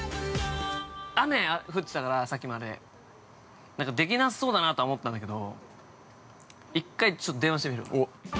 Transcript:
雨降ってたから、さっきまでできなそうだなと思ったんだけど１回電話してみる？